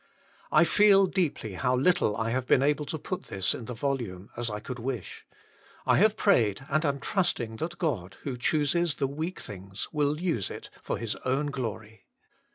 I feel deeply how little I have been able to put this in the volume as I could wish. I have prayed and am trusting that God, who chooses the weak things, will use it for His own glory.